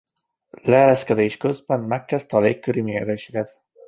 Leereszkedés közben megkezdte a légköri méréseket.